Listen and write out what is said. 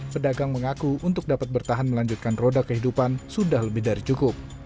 pedagang mengaku untuk dapat bertahan melanjutkan roda kehidupan sudah lebih dari cukup